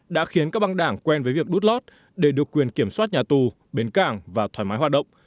đã khiến các băng đảng quen với việc đốt lót để được quyền kiểm soát nhà tù bến cảng và thoải mái hoạt động